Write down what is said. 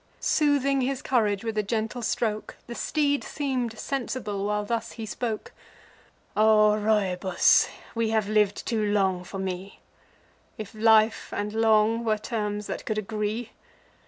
Soothing his courage with a gentle stroke, The steed seem'd sensible, while thus he spoke: "O Rhoebus, we have liv'd too long for me— If life and long were terms that could agree!